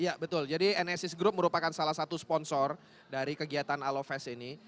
iya betul jadi anesthes group merupakan salah satu sponsor dari kegiatan halo fest ini